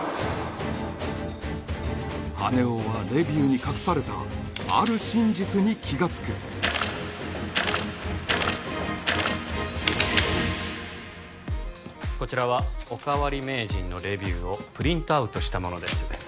羽男はレビューに隠されたある真実に気がつくこちらはおかわり名人のレビューをプリントアウトしたものです